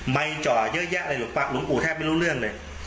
ไมค์จ่อเยอะแยะอะไรหรือเปล่าหลวงปู่แทบไม่รู้เรื่องเลย